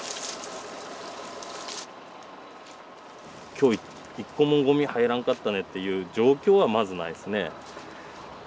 今日一個もゴミ入らんかったねっていう状況はまずないですね。